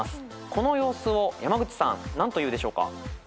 この様子を山口さん何と言うでしょうか？